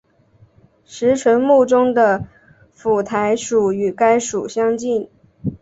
石莼目中的浒苔属与该属相近。